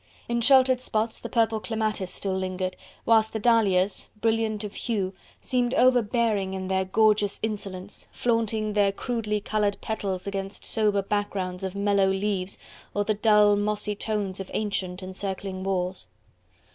In sheltered spots the purple clematis still lingered, whilst the dahlias, brilliant of hue, seemed overbearing in their gorgeous insolence, flaunting their crudely colored petals against sober backgrounds of mellow leaves, or the dull, mossy tones of ancient, encircling walls.